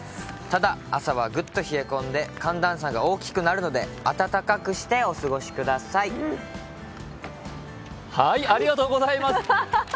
ただ、朝はグッと冷え込んで寒暖差が大きくなるので、暖かくしてお過ごしください。